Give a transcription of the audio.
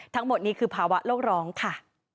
ทั้งหมดนี้คือภาวะโลกร้องค่ะ